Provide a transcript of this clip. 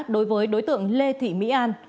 đối với đối tượng lê thị mỹ an